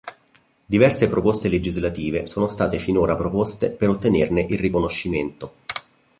Diverse proposte legislative sono state finora proposte per ottenerne il riconoscimento.